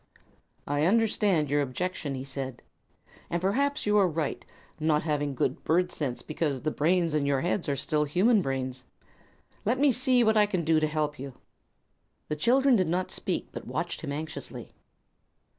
"I understand your objection," he said, "and perhaps you are right, not having good bird sense because the brains in your heads are still human brains. Let me see: what can I do to help you?" The children did not speak, but watched him anxiously.